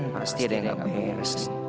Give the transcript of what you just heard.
pasti ada yang gak mau